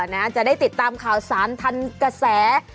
น่าจะได้ติดตามข่าวสารทันกระแส